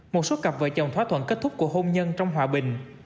một số cặp vợ chồng thỏa thuận kết thúc của hôn nhân trong hòa bình